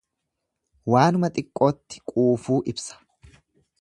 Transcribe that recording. Waanuma xiqqootti quufuu ibsa.